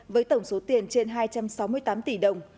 với tổng số tiền trên hai trăm sáu mươi tám tỷ đồng